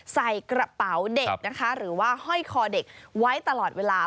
ใส่กระเป๋าเด็กนะคะหรือว่าห้อยคอเด็กไว้ตลอดเวลา